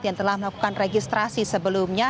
yang telah melakukan registrasi sebelumnya